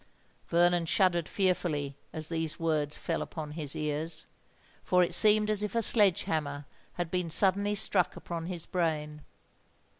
Vernon shuddered fearfully as these words fell upon his ears; for it seemed as if a sledge hammer had been suddenly struck upon his brain.